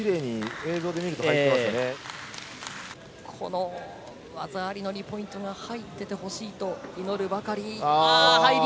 この技ありの２ポイントが入っててほしいと祈るばかり。